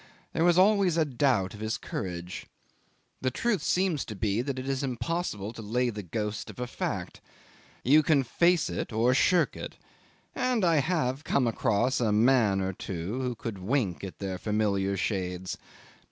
There was always a doubt of his courage. The truth seems to be that it is impossible to lay the ghost of a fact. You can face it or shirk it and I have come across a man or two who could wink at their familiar shades.